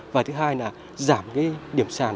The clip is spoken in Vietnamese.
và thứ hai là giảm điểm sàn rất nặng